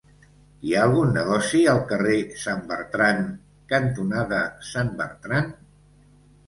Hi ha algun negoci al carrer Sant Bertran cantonada Sant Bertran?